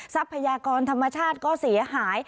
ทรัพยากรธรรมชาติก็เสียหาย